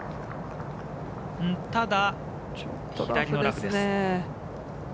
ただ、左のラフです。